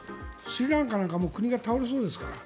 スリランカなんかは国が倒れそうですから。